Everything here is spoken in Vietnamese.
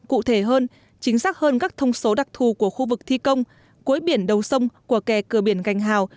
cụ thể hơn chính xác hơn các thông số đặc thù của khu vực thi công cuối biển đầu sông của kè cửa biển gành hào